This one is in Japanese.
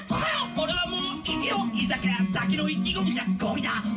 俺はもう行くよ居酒屋だけの意気込みじゃゴミだ」